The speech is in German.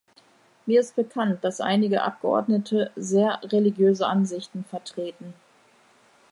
Mir ist bekannt, dass einige Abgeordnete sehr religiöse Ansichten vertreten.